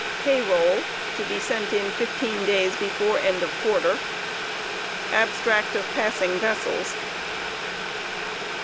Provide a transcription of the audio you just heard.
Pay roll (to be sent in fifteen days before end of quarter)/ > Abstract of passing vessels.